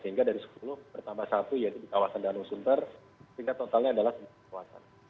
sehingga dari sepuluh bertambah satu yaitu di kawasan danau sunter sehingga totalnya adalah sembilan kawasan